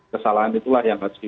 kesalahan itulah yang harus